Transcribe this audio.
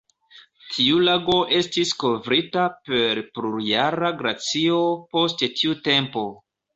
Tiu lago estis kovrita per plurjara glacio post tiu tempo.